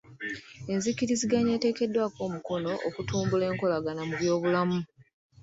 Enzikiriziganya eteekeddwako omukono okutumbula enkolagana mu by'obulamu.